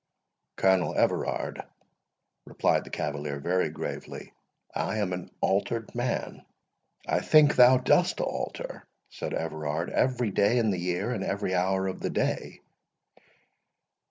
"Colonel Everard," replied the cavalier, very gravely, "I am an altered man." "I think thou dost alter," said Everard, "every day in the year, and every hour of the day.